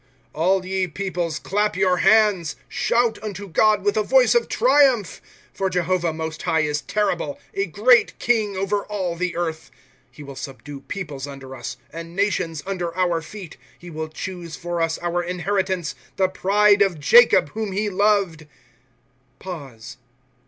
^ All ye peoples, clap your hands ; Shout unto God with the voice of triumph. ^ For Jehovah, Most High, is terrible ; A great king over all the earth. ^ He will subdue peoples under us, And nations under our feet. * Ho will choose for us our inheritance, The pride of Jacob, whom he loved.